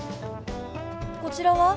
こちらは？